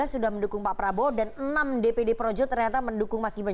dua belas sudah mendukung pak prabowo dan enam dpd projo ternyata mendukung mas gibral